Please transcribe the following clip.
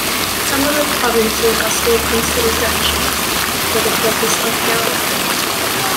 Some of the provinces are still considered duchies for the purposes of heraldry.